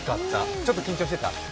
ちょっと緊張してた？